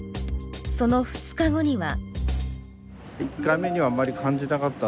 その２日後には。